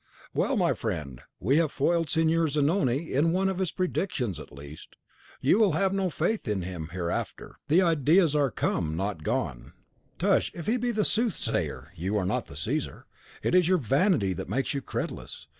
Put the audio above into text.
"Well, my dear friend, we have foiled Signor Zanoni in one of his predictions at least. You will have no faith in him hereafter." "The ides are come, not gone." "Tush! If he be the soothsayer, you are not the Caesar. It is your vanity that makes you credulous.